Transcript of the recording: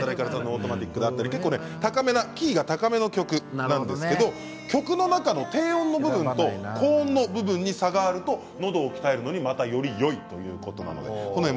キーが高めの曲なんですけれど曲の中の低音の部分と高音の部分に差があるとのどを鍛えるのにまた、よりよいということです。